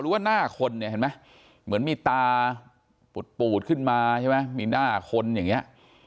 หรือว่าหน้าคนเหมือนมีตาปูดขึ้นมาใช่ไหมมีหน้าคนอย่างนี้